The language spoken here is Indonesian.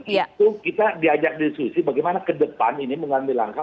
itu kita diajak diskusi bagaimana ke depan ini mengambil langkah